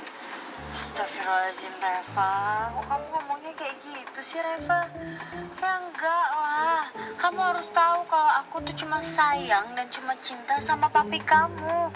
astaghfirullahaladzim reva kok kamu ngomongnya kayak gitu sih reva ya enggak lah kamu harus tau kalo aku tuh cuma sayang dan cuma cinta sama papi kamu